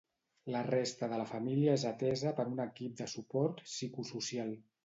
La resta de la família és atesa per un equip de suport psicosocial.